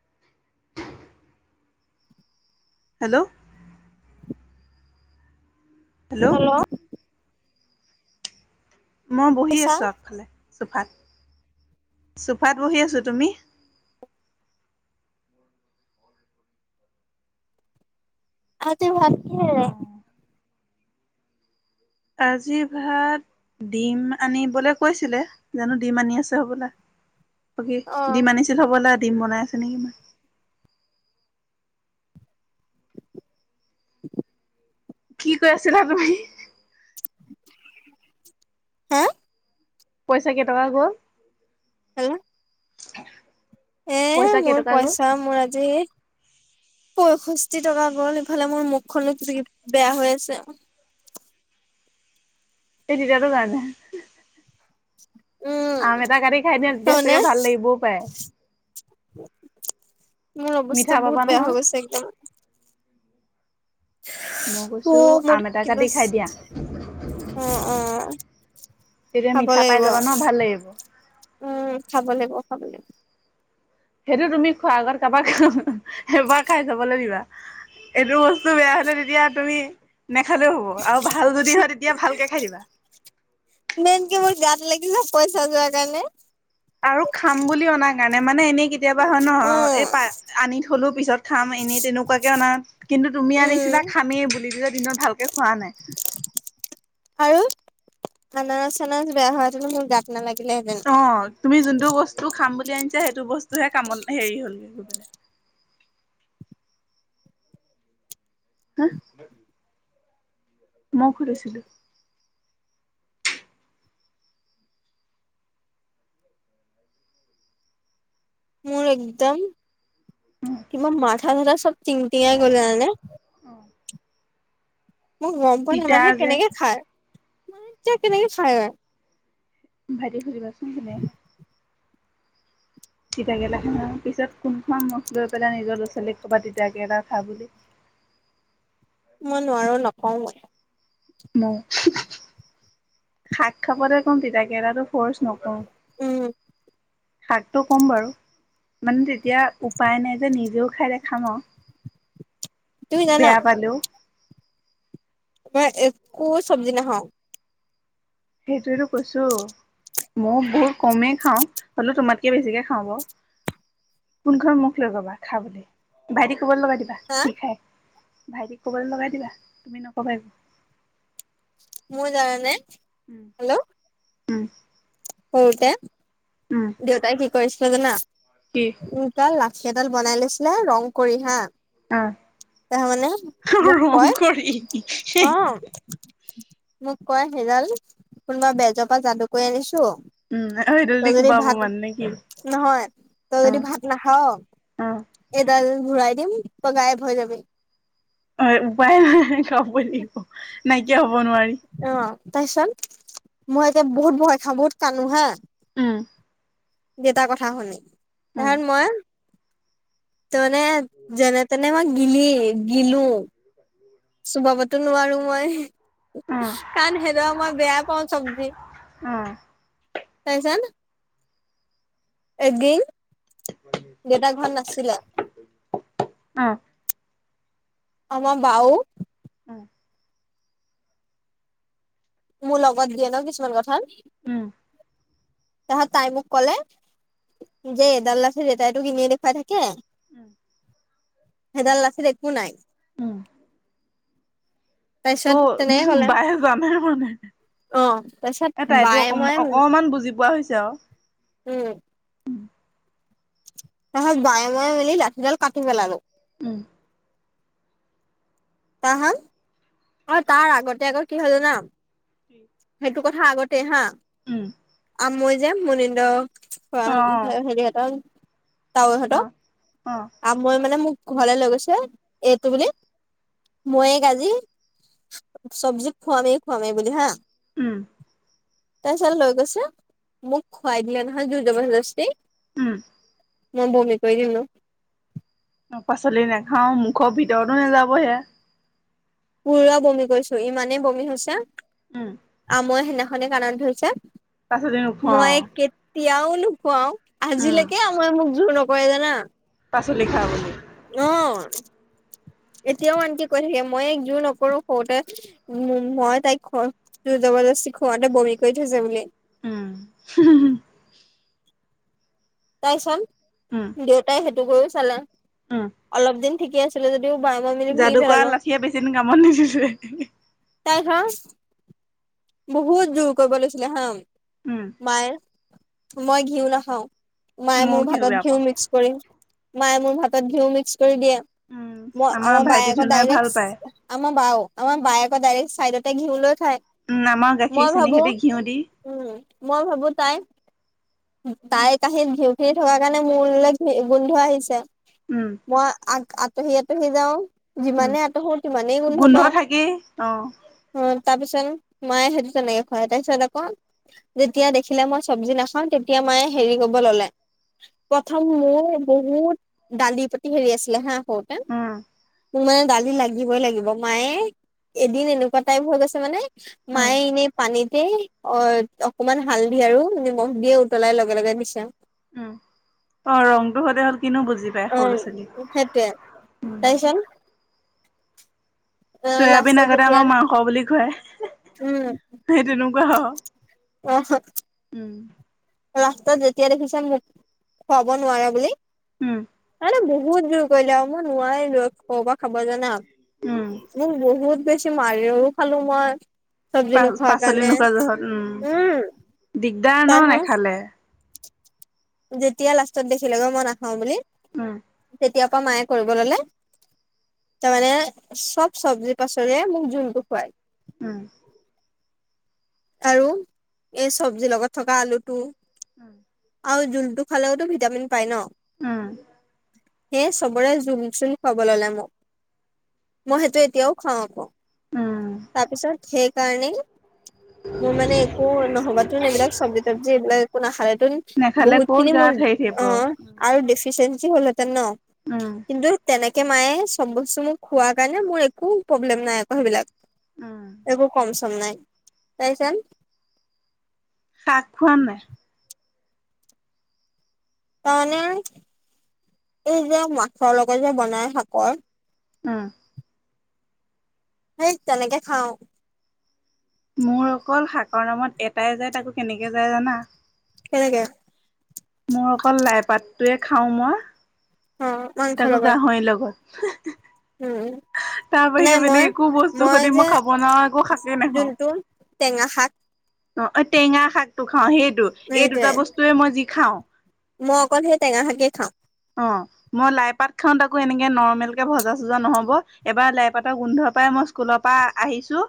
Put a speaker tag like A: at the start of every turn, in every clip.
A: [unintelligible] Hello hello মই বহি
B: পইচা
A: আছো আগফালে চোফাত চোফাত বহি আছো। তুমি?
B: আজি ভাত
A: অ
B: কিহেৰে
A: আজিৰ ভাত ডিম আনিবলে কৈছিলে জানো ডিম আনি আছে হবলা বাকী
B: অ
A: ডিম আনিছিল হ'বলা ডিম বনাই আছে নেকি ইমান কি কৈ আছিলা তুমি
B: হে
A: পইচা কেইটকা গ'ল
B: হেল্ল'
A: [unintelligible]
B: এ
A: পইচা
B: মোৰ
A: কেইটকা গ'ল
B: পইচা মোৰ আজি পয়ষষ্ঠি টকা গ'ল ইফালে মোৰ মুখখনো বেয়া হৈ আছে
A: [unintelligible]
B: উম
A: আম এটা কাটি খাই দিয়া তেতিয়া
B: তাৰমানে
A: চাগে ভাল লাগিবও পায়।
B: মোৰ
A: মিঠা
B: অৱস্থা
A: পাবা
B: বহুত বেয়া
A: নহয়
B: হৈ গৈছে একদম।
A: মই
B: অ
A: কৈছো
B: মোৰ
A: আম এটা কাটি
B: কিবছ
A: খাই দিয়া
B: অ অ
A: তেতিয়া
B: খাব
A: মিঠা পাই
B: লাগিব
A: যাবা ন ভাল লাগিব
B: উম খাব লাগিব খাব লাগিব।
A: সেইটো তুমি খোৱা আগত কাৰোবাক এবাৰ খাই চাবলৈ দিবা এইটো বস্তু বেয়া হলে তেতিয়া তুমি নেখালেও হ'ব আৰু ভাল যদি হয় তেতিয়া ভালকে খাই দিবা
B: মেইন কে মোৰ গাত লাগিছে পইচা যোৱাৰ কাৰণে।
A: আৰু খাম বুলি অনা কাৰণে মানে এনেই ক কেতিয়াবা হয় ন
B: অ
A: এই পা আনি থলো পিছত খাম এনেই তেনেকুৱাকে অনা কিন্তু তুমি
B: উম
A: আনিছিলা খামেই বুলি দিলে দিনত ভালকে খোৱা নাই।
B: আৰু খানাজ চান বেয়া হোৱাতনো মোৰ গাত নালাগিলেহেঁতেন।
A: অ, তুমি যোনটো বস্তু খাম বুলি আনিছা। সেইটো বস্তু হে কামত হেৰি হলগৈ গৈ পলে হা মই খুলিছিলো।
B: মোৰ একদম কিবা মাথা-চাথা চব টিং টিঙাই গ'লে জানানে।
A: অ
B: মোক গম পোৱা নাই
A: তিতা
B: মানুহে
A: যে
B: কেনেকে খায় মান এতিয়া কেনেকে খায় আৰু।
A: ভাইটিক সুজিবাচোন মানে তিতাকেইটা খ পিছত কোনখন মুখ লৈ পেলাই নিজৰ ল'ৰা ছোৱীক ক'ৰবাত তিতাকেৰেলা খা বুলি।
B: মই নোৱাৰো নকও মই।
A: ম শাক খাপতে কম তিতাকেলা তো ফৰ্চ নকৰো।
B: উম,
A: শাকটো ক'ম বাৰু মানে তেতিয়া উপায় নাই যে নিজেও খাইে খাম আৰু।
B: তুমি জানা
A: বেয়া পালো।
B: মই একো চব্জি নাখাও।
A: সেইটোৱেটো কৈছো। মই বহুত কমেই খাও হলেও তোমাতকে বেছিকে খাও বাও। কোনখন মুখ লৈ কবা খা বুলি ভাইটি ক'বলৈ লগায় দিব।
B: হা
A: কি খাই ভাইটিক কবলে লগাই দিবা তুমি নকবা এক
B: মোৰ জানানে হেল্ল'
A: উম-উম।
B: সৰুতে দেউতাই কি কৰিছিলে জানা?
A: কি?
B: উম, তাল লাঠী এডাল বনাই লৈছিলে ৰং কৰি হা।
A: অ'।
B: তাৰমানে মোক
A: ৰং
B: কয়
A: কৰি
B: অ, মোক কয়, হেডাল কোনোবা বেজৰ পৰা যাদু কৰি আনিছো।
A: উম সেইডাল
B: তই
A: দি
B: যদি
A: কোবাব
B: ভাত
A: মানে নে কি?
B: নহয় তই যদি
A: অ',
B: ভাত
A: অ',
B: নাখাৱ এডাল ঘূৰাই দিম, তই গায়ব হৈ যাবি।
A: অ, এ উপায় নাই হে-হে খাবৈ লাগিব নাইকিয়া হব নোৱাৰি।
B: অ, তাছত মই এতিয়া বহুত ভয় খাও বহুত কানো হা?
A: উম,
B: দেউতা কথা শুনি তাহাণ মই ত মনে যেনে-তেনে মই গিলি গিলো। চোবাবতো নোৱাৰো মই। কাণ হেদৱা মই বেয়া পাও চবজি তাছত এগেইন
A: বলি [inaudible]
B: দেউতা ঘৰত নাছিলে। আমাৰ বাউ
A: উম,
B: মোৰ লগত দিয়ে ন কিছুমান কথাত, তাহত তাই মোক ক'লে যে এইডাল লাঠি দেটাইতোক ইনেই দেখুৱাই থাকে। সেইডাল লাঠিত একো নাই। তাৰচিত তেনেকে কলে।
A: আমাৰ হোৱা নাই। [unintelligible]
B: অ, তাৰপিছত বায়ে মই
A: কিমান বুজি পোৱা হৈছে আও।
B: উম'য়ক। তাহজ বায়ে ময়ে মিলি লাঠিডাল কাটি পেলালো।
A: উম।
B: তা হান। অ তাৰ আগতে আক কি হল জান?
A: কি?
B: সেইটো কথা আগতেই হা।
A: উম।
B: আমৈ যে মুনিন্দ খুৱা
A: অ
B: ওফালে হেৰিহেতৰ। তাৱৈহঁত
A: অ অ
B: আপ- মই মানে মোক ঘৰলে লৈ গৈছে, এইটো বুলি মই এইক আজি চব্জি খোৱামেই খোৱাম এইবুলি হা।
A: উম।
B: তাছতে লৈ গৈছে মোক খোৱাই দিলে নহয় জো জবৰদস্তি।
A: উম।
B: মই বৌমি কৰি দিলোঁ।
A: অ পাচলি নাখাও মুখৰ ভিতৰতো নাযাব হেয়া।
B: পুৰা বমি কৈছো ইমানেই বমি হৈছে
A: উম।
B: আমৈ সেইদিখনে কানত ধৰিছে
A: পাচলি নোখোৱাও
B: মই কেতিয়াও নোখোৱাও
A: উম
B: আজিলৈকে মই মোক জোৰ নকৰে জানা।
A: পাচলি খা বুলি
B: অ এতিয়াও আনকি কৈ থাকে মই এইক যোৰ নকৰো সৰুতে মো মই তাইক খ জবৰদস্তি খুৱাতে বমি কৰি থৈছে বুলি।
A: উম। হু হু হু।
B: তাই চান
A: উম।
B: দেউতাই সেইটো কৰি চালে
A: উম
B: অলপ দিন ঠিকে আছিলে যদিও বাই মই মিলি ভাঙি পেলালোং।
A: সিয়ে বেছি দিন কামত নিদিলে।
B: তাই ধৰ বহুত জোৰ কৈব লৈছিলে হা।
A: উম
B: মায়ে মই ঘিউ নাখাও। মায়ে
A: ময়ো
B: মোৰ ভাতত
A: বেয়া
B: ঘিউ
A: পাওঁ
B: মিক্স কৰি মায়ে মোৰ ভাতত ঘিউ মিক্স কৰি দিয়ে
A: উম
B: ম
A: আমাৰ
B: আম বায়ে
A: ভাইটি
B: ক
A: ধুনুৱে ভাল পায়
B: ডাইৰেক্টছ আমাৰ বাও আমাৰ বায়ে আকৌ ডাইৰেক্ট চাইডতে ঘিউ লৈ খায়।
A: নামা
B: মই
A: গাখীৰ চেনি
B: ভাবো
A: হৈতি ঘিউ দি
B: উম মই ভাবো তাই তাই কাঁহি ঘিউ খিনি থকাৰ কাৰণে মোলৈ ঘি গোন্ধ আহিছে।
A: উম
B: মই আ আঁতহি আঁতহি যাও যিমানেই আঁতহো সিমানেই গোন্ধ পাওঁ।
A: ই। অ।
B: অ তাৰপিছত মায়ে সেইটো তেনেকে খুৱায় তাৰপিছত আক যেতিয়া দেখিলে মই চব্জি নাখাওঁ তেতিয়া মায়ে হেৰি কৰিব ললে প্ৰথম মোৰ বহুত দালিৰ প্ৰতি হেৰি আছিলে হা স তে,
A: উম
B: মো মানে দালি লাগিবই লাগিব মায়ে এদিন এনেকুৱা টাইপ হৈ গৈছে মানে
A: উম
B: মায়ে এনেই পানীতে অত অকনমান হালধি আৰু নিমখ দিয়ে উতলাৰ লগে লগে দিছে।
A: উম অ ৰংটো সতে হ'ল কিনো বুজি পায় সৰু লৰা ছোৱালী
B: সেটোৱে তাইছন
A: চয়াবিন
B: লাষ্টত
A: আগতে
B: যেতিয়া
A: আমাৰ মাংস বুলি খুৱায়, সেই তেনেকুৱা হ-
B: এয়া‌ চাক', ৰাস্তাত যেতিয়া দেখিছে মোক, খোৱাব নোৱাৰে বুলি',
A: উম',
B: আৰু বহুত জোৰ কৰিলে আৰু মই নোৱাৰিলোঁ ক'ৰ পৰা খাব জানা',
A: উম',
B: মোক বহুত বেছি মাৰিও খালোঁ মই', চব্জি
A: পা', -
B: নোখোৱাৰ
A: পাচলি
B: কাৰণে
A: নোখোৱা জহত উম', দিগদাৰ ন
B: তাৰ
A: নেখালে',
B: যেতিয়া লাষ্টত দেখিলে গৈ মই নাখাওঁ বুলি',
A: উম',
B: তেতিয়া পৰা মায়ে কৰিব ল'লে ', তাৰ মানে চব চব্জি-পাচলিৰ মোক জোলটো খুৱাই',
A: উম',
B: আৰু, এই চব্জিৰ লগত থকা আলুটো',
A: উম',
B: আৰু জোলটো খালেওতো ভিটামিন পায় ন',
A: উম',
B: সে চবৰে জোল-জোল খুৱাব ল'লে মোক, মই সেইটো এতিয়াও খায় আকৌ',
A: উম
B: তাৰপিছত সেইকাৰণেই', মোৰ মানে একো নহ'বা চোন এইবিলাক চব্জি- তবজি এইবিলাক একো নাখালেতো',
A: নেখালে
B: বহুত
A: ক'ত
B: খিনি
A: গাত
B: মোৰ
A: হেৰি থাকিব
B: অ', - আৰু ডেফিচিয়েঞ্চি হলহেঁতেন ন
A: উম
B: কিন্তু তেনেকে', তাকে মায়ে চব বস্তু মোক খোৱা কাৰণে মোৰ একো প্ৰব্লেম নাই আকৌ সেইবিলাক',
A: উম
B: একো কম- চম নাই, পাইছা',
A: শাক খোৱা নাই?
B: তাৰমানে, এই যে মাছৰ লগত যে বনাই শাকৰ',
A: উম',
B: সেই তেনেকে খাওঁ',
A: মোৰ অকল শাকৰ নামত এটাই যাই তাকো কেনেকে যায় জানা?
B: কেনেকে?
A: মই অকল লাই পাতটোৱে খাওঁ মই,
B: অ মাংসৰ
A: তাকো
B: লগত
A: গাহৰিৰ লগত', হা', -হা', -হা',
B: উম
A: হা', -হা', তাৰ
B: নাই
A: বাহিৰে
B: মই
A: বেলেগ একো বস্তু সদি মই খাব নোৱাৰোঁ একো শাকেই নেখাওঁ ',
B: যোনটো টেঙা শাক?
A: অ', টেঙা শাকটো খাওঁ সেইটো, এই দুটা
B: সেইটোৱে
A: বস্তুয়ে মই যি খাওঁ',
B: মই অকল সেই টেঙা শাকে খাওঁ',
A: অ', মই লাইপাত খাওঁ তাকৌ এনেকে নৰ্মেল কে ভজা - চজা নহ'ব এবাৰ লাইপাত', লাইপাতৰ গোন্ধ পাই, মই স্কুলৰ পৰা আহিছোঁ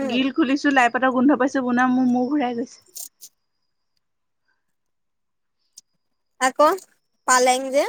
B: উম
A: গ্ৰিল খুলিছোঁ লাইপাত', লাইপাতৰ গোন্ধ পাইছোঁ বনাম মোৰ মোৰ ঘূৰাই গৈছে',
B: আকৌ পালেং যে',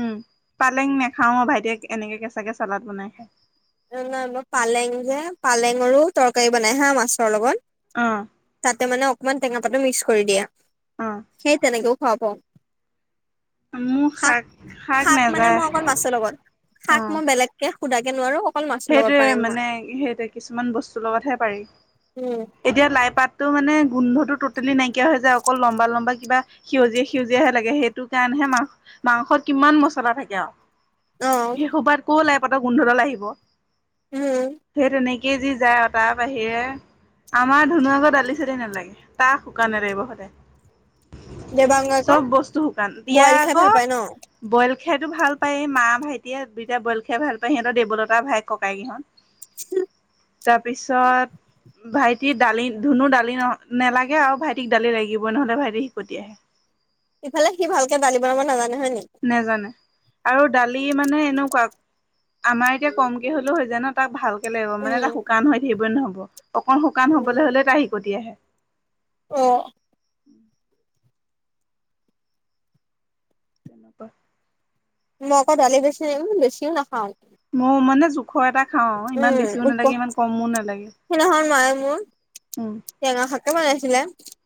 A: উম', পালেং নাখাওঁ ও, ভাইটিয়ে এনেকে কেঁচাকে চালাড বনাই খায়',
B: এ, নাই মই পালেং যে পালেং আৰু তৰকাৰী বনাই হা মাছৰ লগত',
A: অহ',
B: তাতে মানে অকমান টেঙা পাতো মিক্স কৰি দিয়ে,
A: অ'।
B: সেই তেনেকেও খায় পাওঁ', শাক, শাক মানে মই অকল মাছৰ লগত, শাক মই বেলেগকে, সোধাকে নোৱাৰোঁ',
A: সেইটোৱে মানে, সেইটোৱে কিছুমান বস্তুৰ লগতহে পাৰি',
B: উম
A: এতিয়া লাই পাতটো মানে গোন্ধটো টোটেলি নাইকিয়া হৈ যায় অকল লম্বা - লম্বা কিবা', সেউজীয়া - সেউজীয়াহে লাগে, সেইটো কাৰণেহে মাং', - মাংসত কিমান মছলা থাকে আওঁ',
B: অ
A: হে সোপাত ক'ত লাই পাতৰ গোন্ধডাল আহিব',
B: হুম',
A: সেই তেনেকেই যি যায় আৰু তাৰ বাহিৰে', আমাৰ ধোনু আকৌ দালি - চালি নালাগে, তাক শুকান নে লাগিব সদায়',
B: দেবাংগই আকৌ
A: চব বস্তু শুকান দিয়া
B: বইল খাই
A: আকৌ।
B: ভাল পায় ন
A: বইল খেতো ভাল পায় মা ভাইটিয়ে দুইটা বইল খাই ভাল পায় সিহঁতৰ দেৱলতা ভাইক ককাইক ইহত।
B: উম।
A: তাৰপিছত। ভাইটি দালি ধুনু দালি ন নালাগে আৰু ভাইটিক দালি লাগিবই নহ'লে ভাইটিৰ শিকটি আই।
B: ইফালে সি ভালকে দালি বনাব নাজানে হয় নি।
A: নেজানে আৰু দালি মানে এনেকুৱা। আমাৰ এতিয়া কমকে হ'লেও হৈ যায় ন তাক ভাল। কে লাগিব মানে টা
B: উম
A: শুকান হৈ থাকিবই নহ'ব অকণ শুকান হবলে হলে তা শেকতি আহে।
B: অ।
A: তেনেকুৱা
B: মইক দালি বেছি, বেছিও নাখাওঁ।
A: মো মানে যো। খৰ এটা খাওঁ ইমান
B: উম
A: বেছিও
B: উপ
A: নালাগে ইমান কমো নালাগে
B: সিদিনাখন মায়ে মোৰ
A: উম।
B: টেঙা শাকে বনাইছিলে।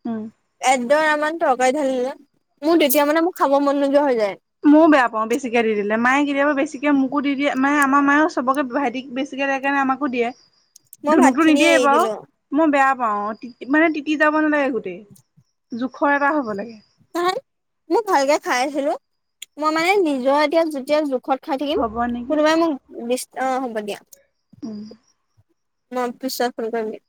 A: উম
B: একডৰা মান তৰকাৰী ঢালিলে মোৰ তেতিয়া মানে মো খাব মন নোযোৱা হৈ যায়।
A: ময়ও বেয়া পাওঁ বেছিকে দি দিলে মায়ে কেতিয়াবা বেছিকে মোকো দি দিয়ে আমাৰ মায়ে চবকে ভাইতিক বেছি। দিয়ে কাৰণে আমাকো দিয়ে
B: মই ভাত
A: ধনুকটো
B: খিনিয়ে
A: নিদিয়ে
B: এৰি
A: বাও।
B: দিলো
A: মই বেয়া পাওঁ তি মানে টিতি যাব নালাগে গোটেই জোখৰ এটা হ'ব লাগে।
B: [unintelligible] মোক ভালকে খাইছিলো মই মানে নিজৰ এতিয়া যোতিয়া জোখত খাই থাকিম
A: হ'ব নেকি
B: কোনোবাই মোক দিচ অ হ'ব দিয়া।
A: উম।
B: মই পিছত ফোন কৰিম‌ দিয়া